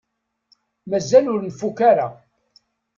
Mazal ur nfukk ara.